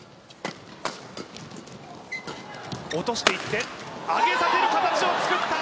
落としていって、上げさせる形を作った！